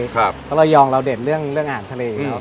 เพราะระยองเราเด่นเรื่องอาหารทะเลครับ